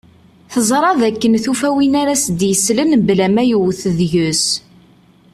Teẓra d akken tufa win ara as-d-yesslen mebla ma yewwet deg-s.